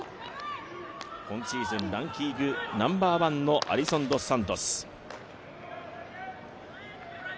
今シーズンランキングナンバーワンのアリソン・ドス・サントス。